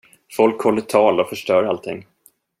Folk håller tal och förstör allting.